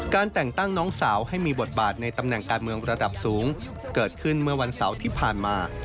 แต่งตั้งน้องสาวให้มีบทบาทในตำแหน่งการเมืองระดับสูงเกิดขึ้นเมื่อวันเสาร์ที่ผ่านมา